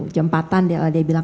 jam empat an dia bilang